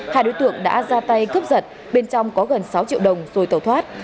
hai đối tượng đã ra tay cướp giật bên trong có gần sáu triệu đồng rồi tẩu thoát